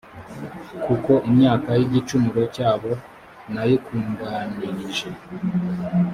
kuko imyaka y igicumuro cyabo nayikunganirije